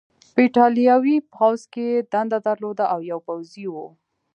په ایټالوي پوځ کې یې دنده درلودله او یو پوځي و.